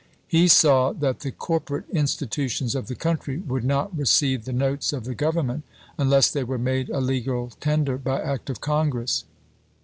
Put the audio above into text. He saw that the corporate institutions of the country would not receive the notes of the Government unless they were made a legal tender by act of Congress.